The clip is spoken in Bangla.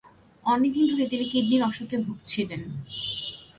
অনেকদিন ধরেই তিনি কিডনির অসুখে ভুগছিলেন।